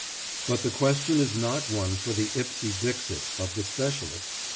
But the question is not one for the ipse dixit of the specialist.